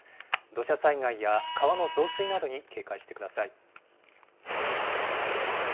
土砂災害や川の増水などに警戒してください。